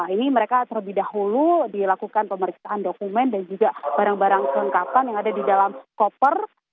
ini mereka terlebih dahulu dilakukan pemeriksaan dokumen dan juga barang barang kelengkapan yang ada di dalam koper